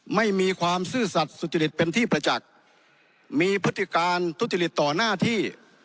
ไม่มีความซื่อสัตว์สุจริตเป็นที่ประจักษ์มีพฤติการทุจริตต่อหน้าที่